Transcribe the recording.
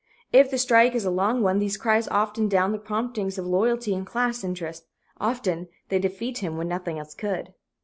If the strike is a long one, these cries often down the promptings of loyalty and class interest often they defeat him when nothing else could.